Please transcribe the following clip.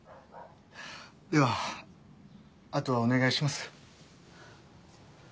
では後はお願いします。